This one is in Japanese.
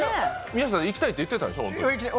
行きたいって言ってたんでしょ？